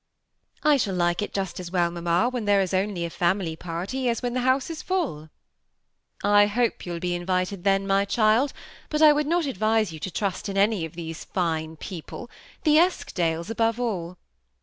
^ I shall like it just as well, mamma, when there is only a family party as when the house is fulL" ^ I hope you will be invited then, my child ; but I would not advise you to trust in any of these fine peo ple ; the Eskdales above all."